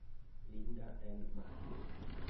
Linda Ann Martin